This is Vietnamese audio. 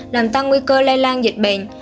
làm tăng nguy cơ lây lan dịch bệnh